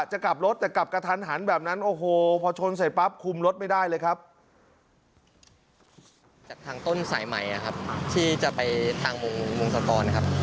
จากทางต้นสายใหม่นะครับที่จะไปทางมุมสะกอนนะครับ